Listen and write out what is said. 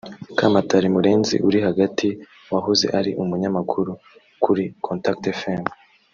Kamatari Murenzi (uri hagati) wahoze ari umunyamakuru kuri Contact Fm